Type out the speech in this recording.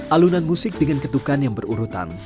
alunan musik dengan ketukan yang berurutan